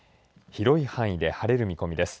広い範囲で晴れる見込みです。